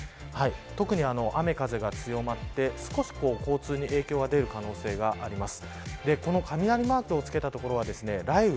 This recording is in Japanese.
特に雨風が強まって少し交通に影響が出る可能性があります。